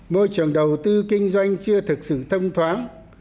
môi trường đầu tư kinh doanh chưa thực sự thông thoáng